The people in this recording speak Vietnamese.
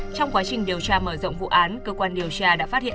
trong quá trình điều tra mở rộng vụ án cơ quan điều tra đã phát hiện